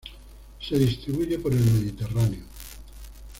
Se distribuye por el Mediterráneo.